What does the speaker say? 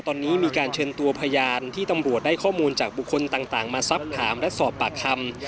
ตอนนี้มีการเชิญตัวพยานที่ตำรวจได้ข้อมูลจากบุคคลต่างมาซับถามและสอบปากคำ